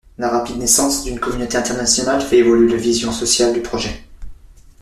La rapide naissance d'une communauté internationale fait évoluer la vision sociale du projet.